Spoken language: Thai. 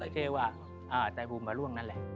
เทวะไตภูมิมาร่วงนั่นแหละ